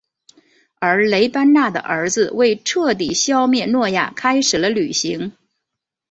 而雷班纳的儿子为彻底消灭诺亚开始了旅行。